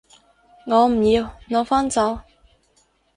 我唔要，攞返走